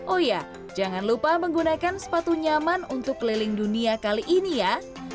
oh ya jangan lupa menggunakan sepatu nyaman untuk keliling dunia kali ini ya